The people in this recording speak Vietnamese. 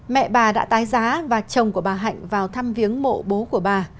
mẹ bà đã tái giá và chồng của bà hạnh vào thăm viếng mộ bố của bà